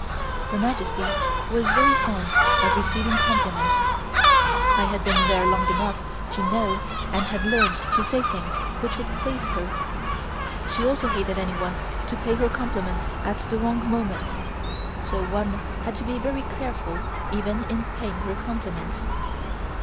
Her Majesty was very fond of receiving compliments. I had been there long enough to know and had learned to say things which would please her. She also hated anyone to pay her compliments at the wrong moment, so one had to be very careful even in paying her compliments.